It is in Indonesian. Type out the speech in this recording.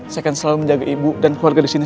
saya akan selalu menjaga ibu dan keluarga di sini